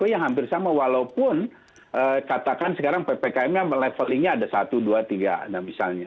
yang hampir sama walaupun katakan sekarang ppkm nya levelingnya ada satu dua tiga misalnya